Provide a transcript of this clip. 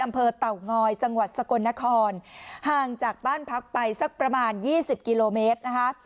เตางอยจังหวัดสกลนครห่างจากบ้านพักไปสักประมาณยี่สิบกิโลเมตรนะคะ